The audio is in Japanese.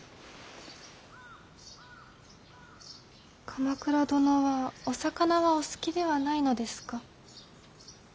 鎌倉殿はお魚はお好きではないのですか。